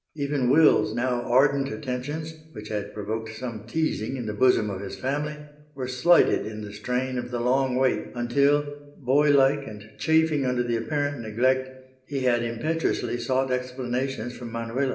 Even Will's now ardent attentions, which had provoked some teasing in the bosom of his family, were slighted in the strain of the long wait until, boylike, and chafing under the apparent neglect, he had impetuously sought explanations from Manuela.